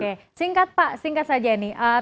oke singkat pak singkat saja nih